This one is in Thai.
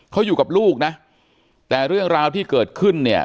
เขาอยู่กับลูกนะแต่เรื่องราวที่เกิดขึ้นเนี่ย